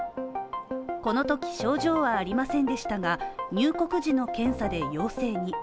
このとき症状はありませんでしたが、入国時の検査で陽性に。